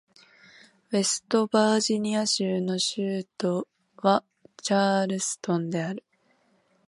ウェストバージニア州の州都はチャールストンである